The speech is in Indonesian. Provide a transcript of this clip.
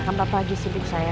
ya kan papa aja sibuk saya